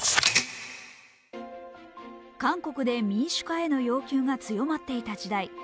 韓国で民主化への要求が強まっていた時代。